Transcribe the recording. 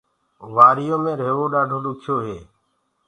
وري يو مي رهيوو ڏآڍو ڏُکيو هي۔